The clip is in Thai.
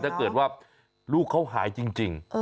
ถ้าเกิดว่าลูกเขาหายจริง